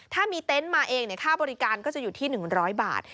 ถ้ามีเต็นต์มาเองค่าบริการก็จะอยู่ที่๑๐๐บาท